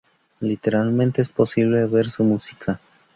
Literalmente es posible ver su música.